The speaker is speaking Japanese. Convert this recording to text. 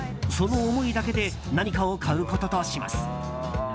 その思いだけで何かを買うこととします。